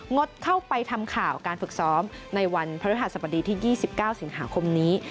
ดเข้าไปทำข่าวการฝึกซ้อมในวันพระฤหัสบดีที่๒๙สิงหาคมนี้